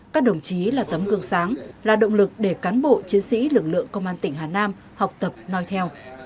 các đồng chí là tấm cường sáng là động lực để cán bộ chiến sĩ lực lượng công an tỉnh hà nam học tập nói theo